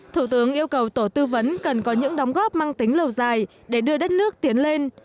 thủ tướng yêu cầu tổ tư vấn cần có những đóng góp mang tính lâu dài để đưa đất nước tiến lên